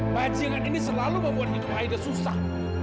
pacingan ini selalu membuat hidup aida susah